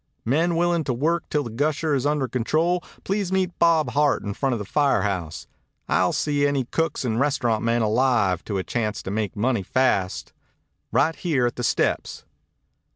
Men willing to work till the gusher is under control, please meet Bob Hart in front of the fire house. I'll see any cooks and restaurant men alive to a chance to make money fast. Right here at the steps."